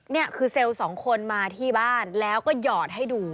นี่คือเซลล์สองคนมาที่บ้านแล้วก็หยอดให้ดู